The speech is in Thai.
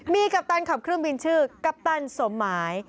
มีกัปตันขับเครื่องบินชื่อกัปตันสมหมาย